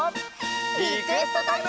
リクエストタイム！